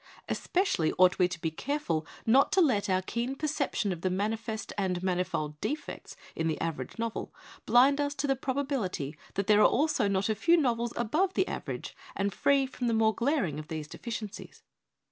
Especially ought we to be careful not to let our keen perception of the manifest and manifold defects in the average novel blind us to the probability that there are also not a few novels above the average and free from the mon glaring of these deficiencies.